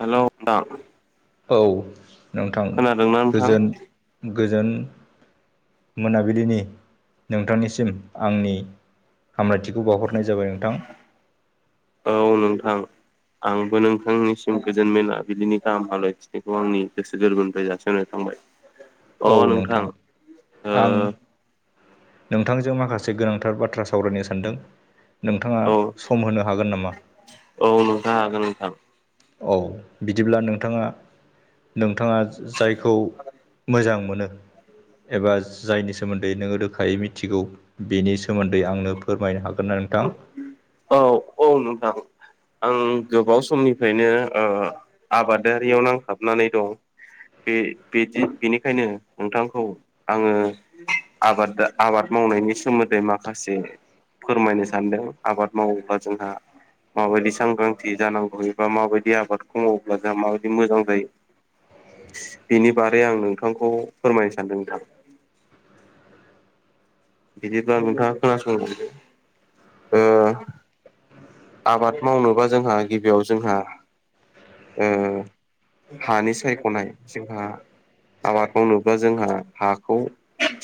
हेल' नोंथां औ नोंथां खोनादोंना नोंथां गोजोन गोजोन मोनाबिलिनि नोंथांनिसिम आंनि हामलायथिखौ बावहरनाय जाबाय नोंथां। औ नोंथां। आंबो नोंथांनिसिम गोजोन मोनाबिलिनि गाहाम हामलायथिनायखौ आंनि गोसो गोरबोनिफ्राय जासिनाय थाबाय। अ नोंथां ओ आं नोंथांजों माखासे गोनांथार बाथ्रा सावरायनो सानदों नोंथाङा औ सम होनो हागोन नामा? औ नोंथांङ हागोन नोंथां। औ बिदिब्ला नोंथांङा जायखौ मोजां मोनो एबा जायनि सोमोन्दै नोंङो रोखायै मिथिगौ बेनि सोमोन्दै आंनो फोरमायनो हागौ। हागोन ना नोंथां औ औ नोंथां आं गोबाव समनिफ्रायनो ओ आबादारियाव नांथाबनानै दं। बे बेदि बेनिखायनो नोंथांखौ आंङो आबाद आबाद मावनायनि सोमोन्दै माखासे फोरमायनो सा सानदों आबाद मावोब्ला जोंहा? माबायदि सांग्रांथि जानांगौबा माबायदि आबादखौ मावोब्ला जोंहा माबायदि मोजां जायो। [unintelligible] बेनि बारै आं नोंथांखौ फोरमायनो सान्दों नोंथां। बिदिब्ला नोंथांङा खोनासंलांदो? आबाद मावनोबा जोंहा गिबियाव जोंहा ओ हानि सायख'नाय जोंहा आबाद मावनोबा जोंहा हाखौ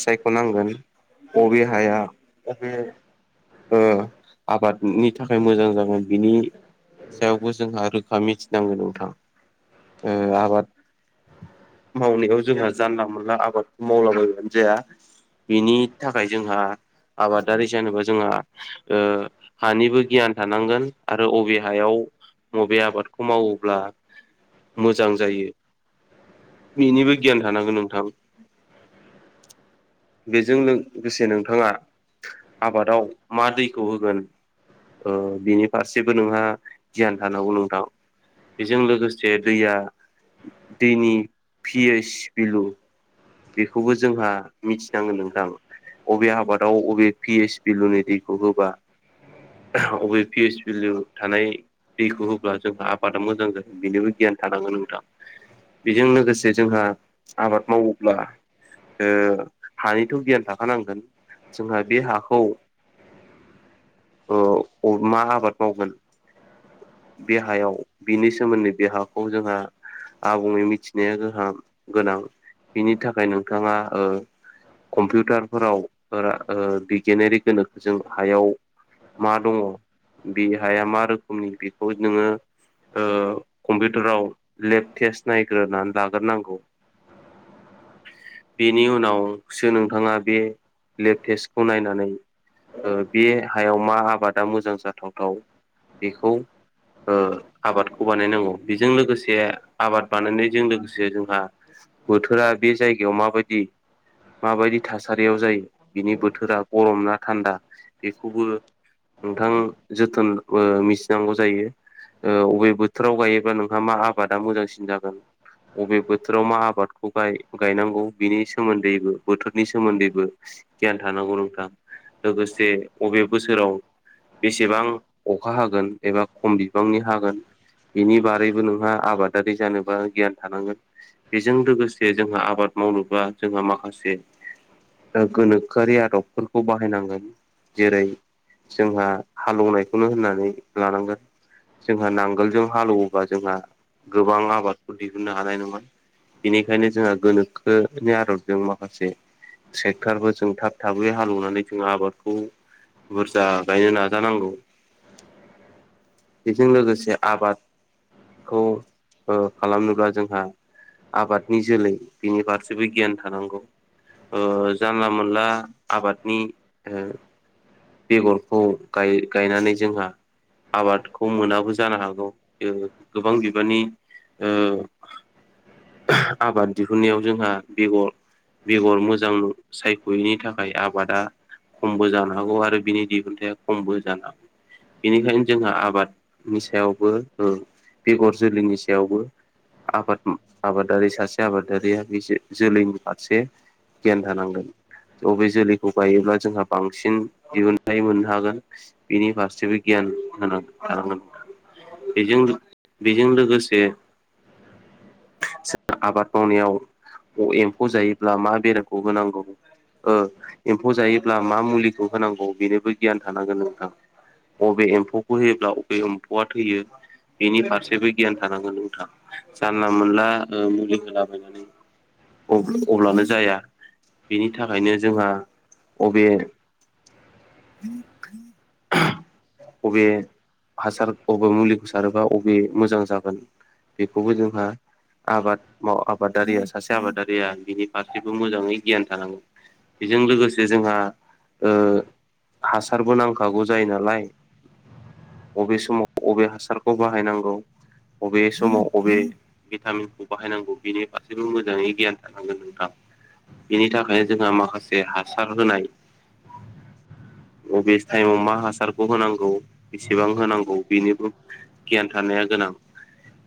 सायख' नांगोन। बबे हाया बबे ओ आबादनि थाखाय मोजां जागोन बिनि सायावबो जोंहा रोखा मिथिनांगोन नोंथां। ओ आबाद मावनायाव जोंहा जानला मोनला आबादखौ मावलाबायबानो जाया। बिनि थाखाय जोंहा आबादारि जानोबा जोंहा ओ हानिबो गियान थानांगोन आरो अबे हायाव मबे आबादखौ मावोब्ला मोजां जायो बेनिबो गियान थानांगोन नोंथां। बेजों लोगोसे नोंथाङा आबादाव मा दैखौ होगोन ओ बिनि फारसेबो नोंहा गियान थानांगौ नोंथां। बेजों लोगोसे दैया दैनि पि एदस भिलु बेखौबो जोंहा मिथिनांगोन नोंथां‌। बबे आबादाव बबे पि एस पिलुनि दैखौ होबा अबे पि एइस भलिउ थानाय दैखौ होब्ला जोंहा आबादा मोजां जायो बेनिबो गियान थानांगोन नोंथां। बेजों लोगोसे जोंहा आबाद माव ब्ला ओ हानिथ' गियान थाखानांगोन। जोंहा बे हाखौ ओ अ-मा आबाद मावगोन बे हायाव बिनि सोमोन्दै बे हाखौ जोंहा आबुङै मिथिनाया गाहाम गोनां बिनि थाखाय नोंथाङा ओ कम्पिउटारफोराव ओ बिगियानारि गोनोखोजों हायाव मा दङ बे हाया मा रोखोमनि बेखौ नोङो ओ कम्पिउटाराव लेपटेस नायग्रोनानै लाग्रोनांगौ। बेनि उनावसो नोंथाङा बे लेपटेसखौ नायनानै ओ बे हायाव मा आबादा मोजां जाथावथाव बेखौ ओ आबादखौ बानायनांगौ बेजों लोगोसे आबाद बानायनायजों लोगोसे जोंहा बोथोरा बे जायगायाव माबायदि माबायदि थासारियाव जायो बिनि बोथोरा गरम ना थान्दा बेखौबो नोंथां जोथोन ओ मिथिनांगौ जायो। ओ अबे बोथोराव गायोबा नोंहा मा आबादा मोजांसिन जागोन अबे बोथोराव मा आबाद गायनांगौ बिनि सोमोन्दैबो बोथोरनि सोमोन्दैबो -' गियान थानांगौ नोंथां लोगोसे अबे बोसोराव बेसेबां अखा हागोन एबा खम बिबांनि हागोन बिनि बारैबो नोंहा आबादारि जानोबा गियान थानांगोन बेजों लोगोसे जे जोंहा आबाद मावबा जोंहा माखासे ओ गोनोखोआरि आदबफोरखौ बाहायनांगोन जेरै जोंहा हालौवनायखौनो होननानै लानांगोन। जोंहा नांगोलजों हालेवोबा जोंहा गोबां आबादखौ दिहुननो हानाय नङा। ओंखायनो जोंहा गोनोखोनि आदबजों माखासे ट्रेक्टरबो जों थाब थाबै हालेवनानै जों आबादखौ बुरजा गायनो नाजानांगौ। बेजों लोगोसे आबाद खौ ओ खालामनोब्ला जोंहा आबाद नि जोलै बिनि फारसेबो गियान थानांगौ। ओ जानला मोनला आबादनि ओ बेगरखौ गाय-गायनानै जोंहा आबादखौ मोनाबो जानो हागौ ओ गोबां बिबांनि ओ आबाद दिहुननायाव जोंहा बेगर बेगर मोजां सायख'यैनि थाखाय आबादा खमबो जानो हागौ आरो बिनि दिहुनथाइा खमबो जानो हागौ। बिनिखायनो जोंहा आबादनि सायावबो उम बेगर जोलैनि सायावबो आबाद आबादारि सासे आबादारिया बे जो-जोलैनि फारसे गियान थानांगोन। अबे जोलैखौ गायोब्ला जोंहा बांसिन दिहुनथाय मोननो हागोन। बिनि फारसेबो गियान होनांग थानांगोन। बेजों लोगो बेजों लोगोसे जों आबाद मावनायाव अ एम्फौ जायोब्ला मा बेरामखौ होनांगौ ओ एम्फौ जायोब्ला मा मुलिखौ होनांगौ बेनोबो गियान थानांगोन नोंथां। अबे एम्फौखौ होयोब्ला अबे एम्फौआ थैयो। बिनि फारसेबो गियान थानांगोन नोंथां। जानला मोनला ओ मुलि होलाबायनानै अ'ब-अब्लानो जाया। बिनि थाखायनो जोंहा अबे [inaudible] अबे हासार अबे मुलिखौ सारोबा अबे मोजां जागोन। बेखौबो जोंहा आबाद माव आबादारिया सासे आबादारिया बिनि फारसेबो मोजांङै गियान थानांगोन। बेजों लोगोसे जोंहा ओ हासारबो नांखागौ जायो नालाय। अबे समाव अबे हासारखौ बाहायनांगौ अबे समाव अबे भिटामिनखौ बाहायनांगौ बिनि फारसेबो मोजांङै गियान थानांगोन नोंथां। बिनि थाखायनो जोंहा माखासे हासार होनाय अबे टाइमाव मा हासारखौ होनांगौ बेसेबां होनांगौ बिनिबो गियान थानाया गोनां।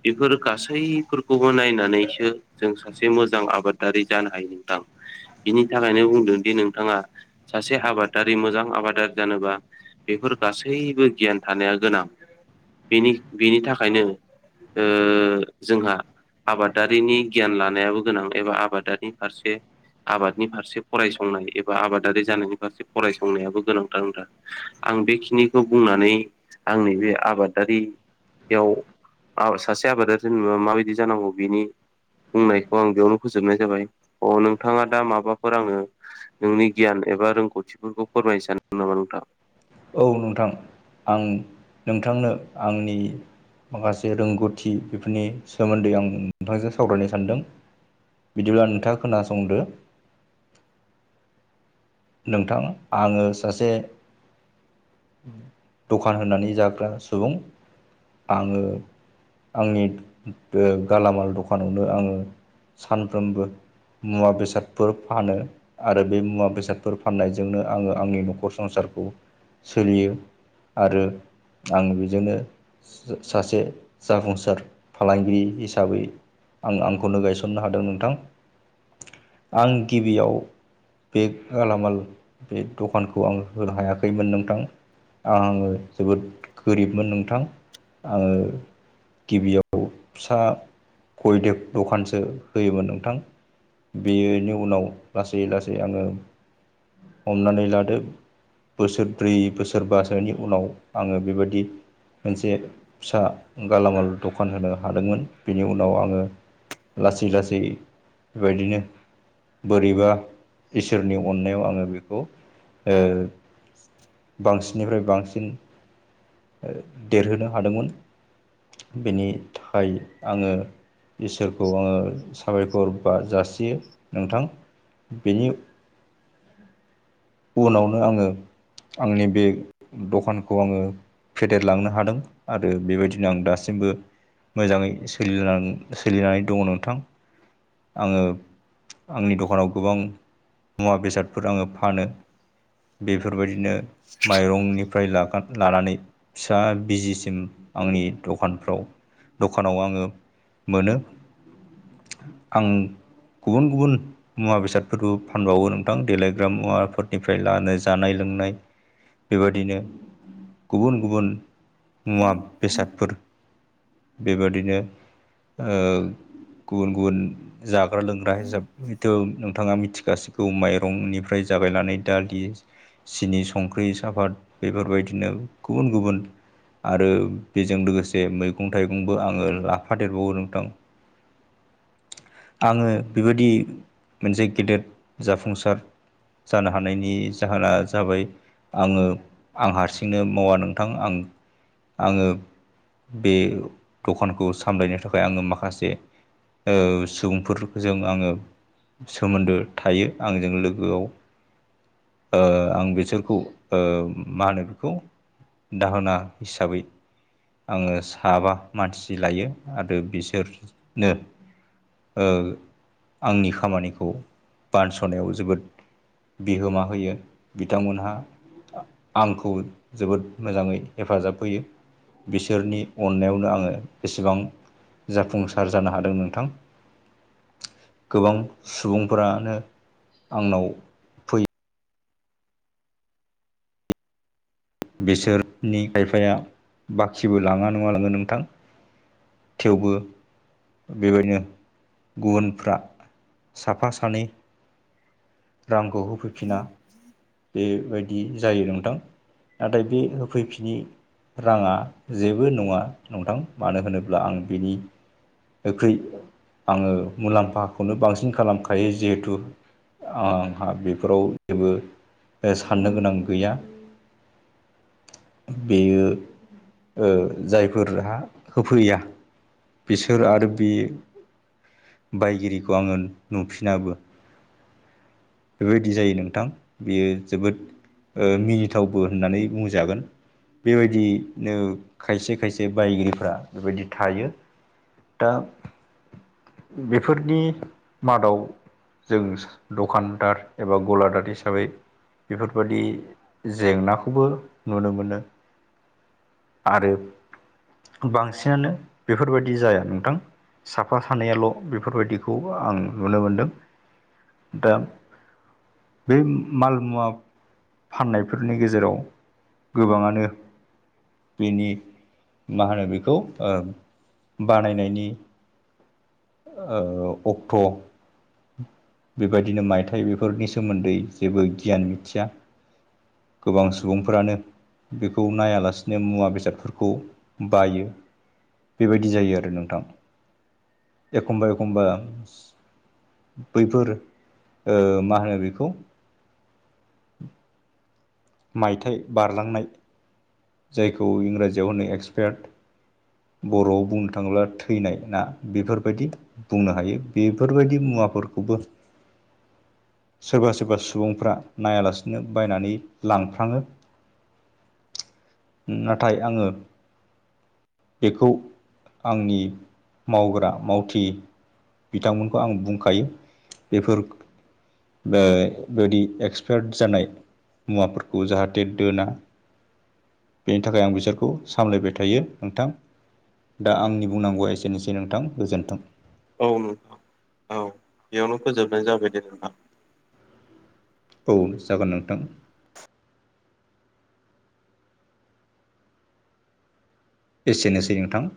बिफोर गासै बैफोरखौबो नायनानैसो जों सासे मोजां आबादारि जानो हायो नोंथां। बिनि थाखायनो बुंदों दि नोंथांङा सासे आबादारि मोजां आबादारि जानोबा बेफोर गासैबो गियान थानाया गोनां। बिनि बिनि थाखायनो ओ जोंहा आबादारिनि गियान लानायाबो गोनां एबा आबादारि फारसे आबादनि फारसे फरायसंनाय एबा आबादारि जानायनि फारसे फरायसंनायाबो गोनांथार नोंथां। आं बेखिनिखौ बुंनानै आंनि बे आबादारि बेयाव आ सासे आबादारि होनबा माबायदि जानांगौ बिनि बुंनायखौ आं बेयावनो फोजोबनाय जाबाय। अ नोंथांङा दा माबाफोर आंनो नोंनि गियान एबा रोंगौथिफोरखौ फोरमायनो सानो नामा नोंथां? औ नोंथां। आं नोंथांनो आंनि माखासे रोंगौथि बेफोरनि सोमोन्दै आं नोंथांजों सावरायनो सानदों। बिदिब्ला नोंथांङा खोनासंदो। नोंथां आंङो सासे दखान होननानै जाग्रा सुबुं। आंङो आंनि ओ गालामाल दखानावनो आंङो सानफ्रोमबो मुवा बेसादफोर फानो आरो बे मुवा बेसाद फोर फाननायजोंनो आंङो आंनि नखर संसारखौ सोलियो आरो आं बेजोंनो ओ सासे जाफुंसार फालांगिरि हिसाबै आं आंखौनो गायसननो हादों नोंथां। आं गिबियाव बे गालामाल बे दखानखौ आं होनो हायाखैमोन नोंथां। आ-आंङो जोबोद गोरिबमोन नोंथां। आंङो गिबियाव फिसा खयदेब दखानसो होयोमोन नोंथां। बेयोनि उनाव लासै लासै आङो हमनानै लादो बोसोरब्रै बोसोरबासोनि उनाव आङो बेबादि मोनसे फिसा गालामाल दखान होनो हादोंमोन। बिनि उनाव आङो लासै लासै बेबायदिनो बोरैबा इसोरनि अ अननायाव आङो बेखौ ओ बांसिननिफ्राय बांसिन ओ देरहोनो हादोंमोन। बेनि थाखाय आङो इसोरखौ आङो साबायखर बा जासियो नोंथां। बिनि उनावनो आङो आंनि बे दखानखौ आङो फेदेरलांनो हादों आरो बेबायदिनो आं दासिमबो मोजाङै सोलिलां सोलिनानै दङ' नोंथां। आङो आंनि दखानाव गोबां मुवा बेसादफोर आङो फानो। बेफोरबायदिनो माइरंनि फ्राय लागोन लानानै फिसा बिजिसिम आंनि दखानफ्राव दखानाव आङो मोनो। आं गुबुन गुबुन मुवा बेसादफोरबो फानबावो नोंथां देलायग्रा मुवाफोर निफ्राय लानो जानाय लोंनाय बेबादिनो गुबुन गुबुन मुवा बेसादफोर बेबादिनो ओ गुबुन गुबुन जाग्रा लोंग्रा हिसाब हयथ' नोंथाङा मिथिखासिगौ माइरंनिफ्राय जागायनानै दालि, सिनि, संख्रि, साफाद बेफोरबायदिनो गुबुन गुबुन आरो बेजों लोगोसे मैगं थाइगंबो आङो लाफा देरबावो नोंथां। [unintelligible] आङो बेबायदि मोनसे गेदेद जाफुंसार जानो हानायनि जाहोना जाबाय आङो आं हारसिंनो मावा नोंथां। आं आङो बे दखानखौ सामलायनो थाखाय आङो माखासे ओ सुबुंफोरजों आङो सोमोन्दो थायो आंजों लोगोआव ओ आं बिसोरखौ ओ मा होनो बेखौ दाहोना हिसाबै आङो साबा मानसि लायो आरो बिसोरनो ओ आंनि खामानिखौ बानस'नायाव जोबोद बिहोमा होयो। बिथांमोनहा आ-आंखौ जोबोद मोजाङै हेफाजाब होयो। बिसोरनि अननायावनो आङो एसेबां जाफुंसार जानो हादों नोंथां। गोबां सुबुंफोरानो आंनाव फैयो। बिसोरनि खायफाया बाखिबो लाङा नङा लाङो नोंथां। थेवबो बेबायदिनो गुबुनफ्रा साफा सानै रांखौ होफैफिना बेबायदि जायो नोंथां। नाथाय बे होफैफिनि राङा जेबो नङा नंथां मानो होनोब्ला आं बिनि ओख्रै आङो मुलाम्फाखौनो बांसिन खालामखायो जिहेथु आंहा बेफोराव जेबो ओ साननो गोनां गैया। बेयो ओ जायफोरहा होफैया बिसोर आरो बे बायगिरिखौ आङो नुफिनाबो। बेबायदि जायो नोंथां। बियो जोबोद ओ मिनिथावबो होननानै बुंजागोन। बेबायदिनो खायसे खायसे बायगिरिफ्रा बेबायदि थायो दा बेफोरनि मादाव जों दखानदार एबा गलादार हिस साबै बेफोरबादि जेंनाखौबो नुनो मोनो आरो बांसिनानो बेफोरबायदि जाया नोंथां साफा सानैयाल' बेफोरबायदिखौ आं नुनो मोनदों दा बे माल मुवा फाननायफोरनि गेजेराव गोबाङानो बेनि मा होनो बेखौ ओ बानायनायनि ओ अक्ट' बेबायदिनो मायथाइ बेफोरनि सोमोन दै जेबो गियान मिथिया गोबां सुबुंफोरानो बेखौ नायालासिनो मुवा बेसादफोरखौ बायो बेबायदि जायो आरो नोंथां एखमबा एखमबा बैफोर ओ मा होनो बेखौ मायथाइ बारलांनाय जायखौ इंराजियाव होनो एक्सपायार्ट बर'आव बुंनो थाङोब्ला थैनाय ना बेफोरबायदि बुंनो हायो बेफोरबायदि मुवाफोरखौबो सोरबा सोरबा सुबुंफ्रा नायालासिनो बायनानै लांफ्राङो नाथाय आङो बेखौ आंनि मावग्रा मावथि बिथांमोनखौ आं बुंखायो बेफोर बो बेबादि एक्सपायार्ट जानाय मुवाफोरखौ जाहाथे दोना बेनि थाखाय आं बिसोरखौ सामलायबाय थायो नोंथां। दा आंनि बुंनांगौआ एसेनोसै नोंथां गोजोन्थों औ नोंथां औ बेयावनो फोजोबनाय जाबाय दे नोंथां। औ जागोन नोंथां एसेनोसै नोंथां